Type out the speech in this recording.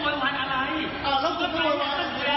ต่อยหน้าผู้หญิงปะค่ะพี่